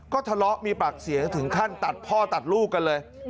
ก็ทะเลาะมีปากเสียงถึงขั้นตัดพ่อตัดลูกกันเลย